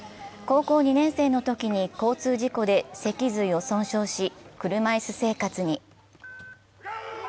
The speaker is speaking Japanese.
高校２年生のときに交通事故で脊髄を損傷し、車いす生活に。